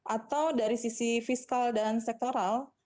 atau dari sisi fiskal dan sektoral